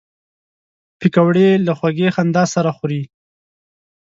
پکورې له خوږې خندا سره خوري